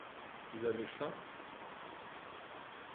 Vous avez faim ?